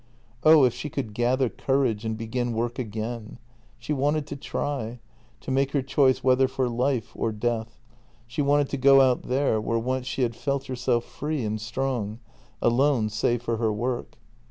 Oh, if she could gather courage and begin work again! She wanted to try — to make her choice whether for life or death; she wanted to go out there where once she had felt herself free and strong — alone save for her work.